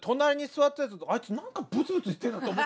あいつなんかブツブツ言ってんなと。